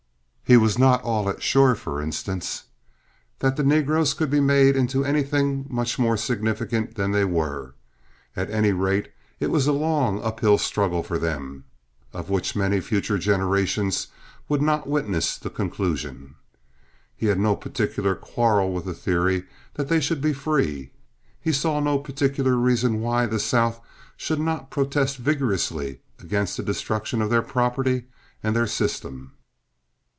He was not at all sure, for instance, that the negroes could be made into anything much more significant than they were. At any rate, it was a long uphill struggle for them, of which many future generations would not witness the conclusion. He had no particular quarrel with the theory that they should be free; he saw no particular reason why the South should not protest vigorously against the destruction of their property and their system.